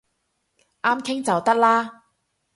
啱傾就得啦